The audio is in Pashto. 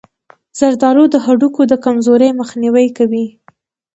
زردآلو د هډوکو د کمزورۍ مخنیوی کوي.